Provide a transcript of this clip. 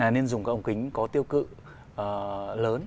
nên dùng cái ống kính có tiêu cự lớn